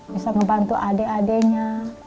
bisa ngebantu adik adiknya